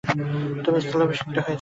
তুমি স্থলাভিষিক্ত হয়েছো।